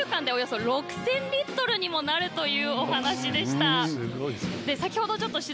１週間でおよそ６０００リットルにもなるというお話しでした。